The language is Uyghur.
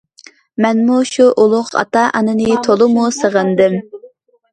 مەنمۇ شۇ ئۇلۇغ ئاتا ئانامنى تولىمۇ سېغىندىم.